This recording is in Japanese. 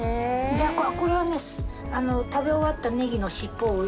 これはね食べ終わったネギの尻尾を植えて。